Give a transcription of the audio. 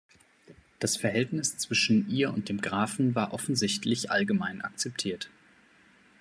Das Verhältnis zwischen ihr und dem Grafen war offensichtlich allgemein akzeptiert.